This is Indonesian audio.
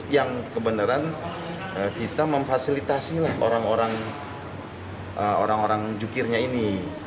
yang kebenaran kita memfasilitasi lah orang orang jukirnya ini